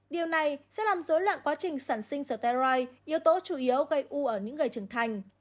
điều này sẽ làm dối loạn quá trình sản sinh sở teroi yếu tố chủ yếu gây u ở những người trưởng thành